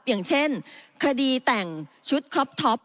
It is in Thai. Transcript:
อย่างเช่นคดีแต่งชุดครอปท็อป